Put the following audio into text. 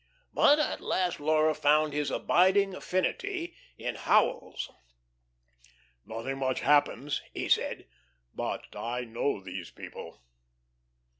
But at last Laura found his abiding affinity in Howells. "Nothing much happens," he said. "But I know all those people."